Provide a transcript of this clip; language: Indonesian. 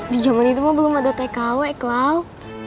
di zaman itu mah belum ada tkw cloud